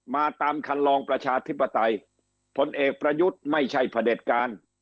มาตามคันลองประชาธิปไตยผลเอกประยุทธ์ไม่ใช่พระเด็จการ